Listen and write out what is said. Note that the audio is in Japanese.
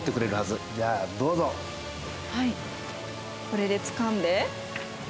これでつかんで。